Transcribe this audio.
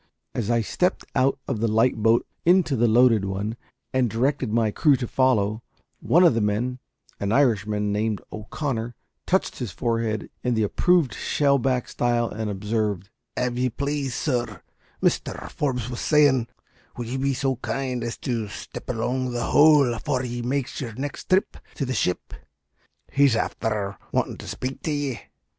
As I stepped out of the light boat into the loaded one, and directed my crew to follow, one of the men an Irishman, named O'Connor touched his forehead in the approved shell back style, and observed "Av ye plaise, sor, Misther Forbes was sayin' would ye be so kind as to sthep along to the houle afore ye makes your next thrip to the ship? He's afther wantin' to shpake to ye."